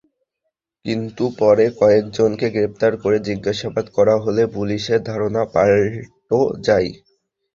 কিন্তু পরে কয়েকজনকে গ্রেপ্তার করে জিজ্ঞাসাবাদ করা হলে পুলিশের ধারণা পাল্ট যায়।